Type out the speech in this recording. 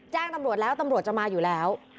แจ้งตำรวจแล้วตำรวจจะมาอยู่แล้ว